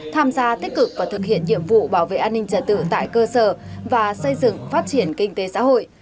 tham gia tích cực và thực hiện nhiệm vụ bảo vệ an ninh trả tự tại cơ sở và xây dựng phát triển kinh tế xã hội